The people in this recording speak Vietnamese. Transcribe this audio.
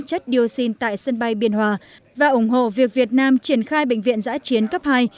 chất dioxin tại sân bay biên hòa và ủng hộ việc việt nam triển khai bệnh viện giã chiến cấp hai